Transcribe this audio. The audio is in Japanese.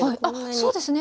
そうですね。